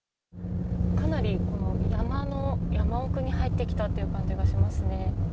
かなり山奥に入ってきたという感じがしますね。